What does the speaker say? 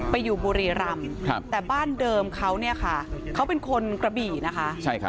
ไปอยู่บุรีรำแต่บ้านเดิมเขาเป็นคนกระบี่นะคะ